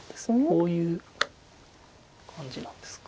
こういう感じなんですか。